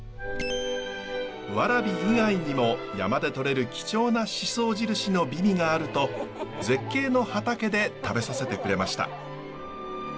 ワラビ以外にも山でとれる貴重な宍粟印の美味があると絶景の畑で食べさせてくれました。